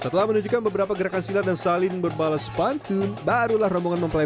setelah menunjukkan beberapa gerakan silat dan saling berbalas pantun barulah rombongan mempelai